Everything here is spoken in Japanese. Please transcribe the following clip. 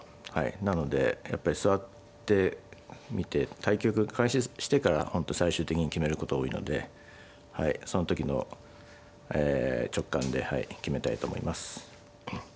なのでやっぱり座ってみて対局開始してから本当最終的に決めること多いのでその時の直感で決めたいと思います。